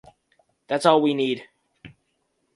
That's all we need.